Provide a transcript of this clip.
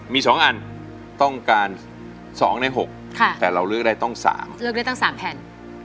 มีสองอันต้องการสองในหกค่ะแต่เราเลือกได้ต้องสามเลือกได้ตั้งสามแผ่น